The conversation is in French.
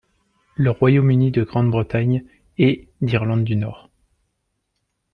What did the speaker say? Le Royaume-Uni de Grande-Bretagne et d'Irlande du Nord.